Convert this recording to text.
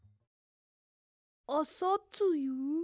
あさつゆ？